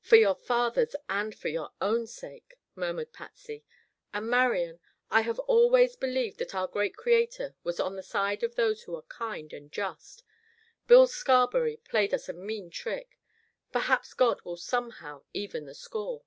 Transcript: "For your father's and for your own sake," murmured Patsy. "And, Marian, I have always believed that our great Creator was on the side of those who are kind and just. Bill Scarberry played us a mean trick. Perhaps God will somehow even the score."